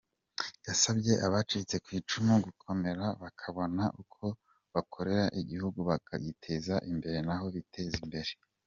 Yasabye abacitse ku icumu gukomera bakabona uko bakorera igihugu bakagiteza imbere nabo biteza imbere.